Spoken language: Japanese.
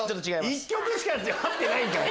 １曲しか合ってないんかい！